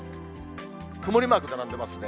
曇りマーク並んでますね。